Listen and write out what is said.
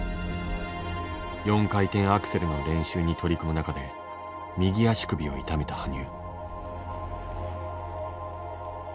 ４回転アクセルの練習に取り組む中で右足首を痛めた羽生。